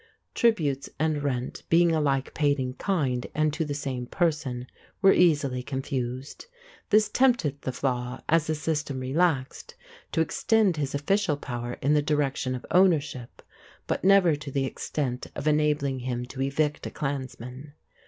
Tributes and rent, being alike paid in kind and to the same person, were easily confused. This tempted the flaith, as the system relaxed, to extend his official power in the direction of ownership; but never to the extent of enabling him to evict a clansman.